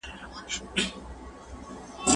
تیوري بې له تجربې نیمګړې ده.